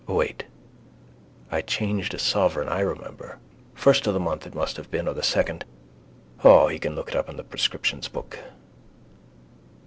Wait. I changed a sovereign I remember. First of the month it must have been or the second. O, he can look it up in the prescriptions book.